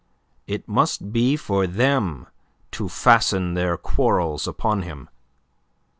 It must be for them to fasten their quarrels upon him.